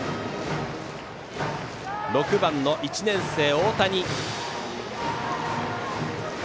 ６番の１年生、大谷。